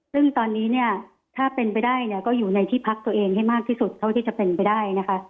ซึ่งตอนนี้เนี่ยถ้าเป็นไปได้เนี่ยก็อยู่ในที่พักตัวเองให้มากที่สุดเท่าที่จะเป็นไปได้นะคะ